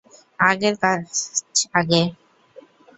আগের কাজ আগে।